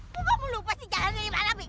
kok kamu lupa sih jalannya dimana biko